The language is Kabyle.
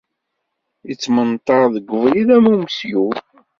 Yettmenṭar deg ubrid am umeslub.